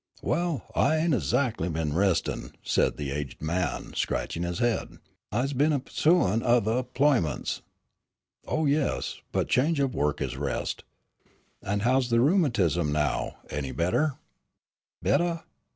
"Well, I ain' ezzackly been restin'," said the aged man, scratching his head. "I's been pu'su'in' othah 'ployments." "Oh, yes, but change of work is rest. And how's the rheumatism, now, any better?"